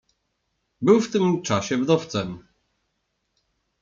"Był w tym czasie wdowcem."